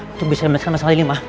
untuk bisa menjelaskan masalah ini ma